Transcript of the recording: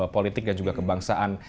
politik dan juga kebangsaan